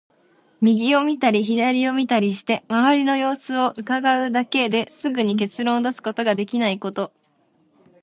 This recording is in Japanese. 右を見たり左を見たりして、周りの様子を窺うだけですぐに結論を出すことができないこと。